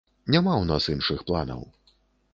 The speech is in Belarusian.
Няма ў нас іншых планаў.